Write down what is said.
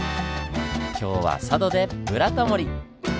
今日は佐渡で「ブラタモリ」！